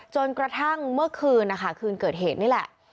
จนกระทั่งเมื่อคืนนะคะคืนเกิดเหตุนี่แหละ